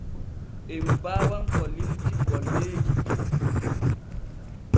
En baawan ko limti golleeji ɗin.